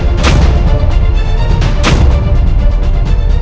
yang pernah menghianati rajanya sendiri